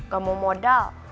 gak mau modal